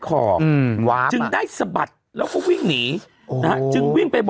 ยังไงยังไงยังไงยังไง